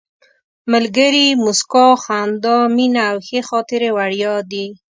ملګري، موسکا، خندا، مینه او ښې خاطرې وړیا دي.